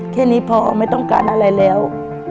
แค่นี้พอไม่ต้องการอะไรแล้ว